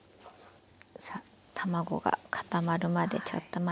さあ卵が固まるまでちょっと待ちますね。